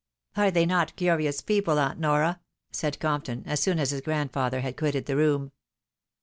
" Are they not curious people, aunt Nora ?" said Compton, as soon as his grandfather had quitted the room.